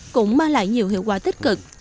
có nhiều hiệu quả tích cực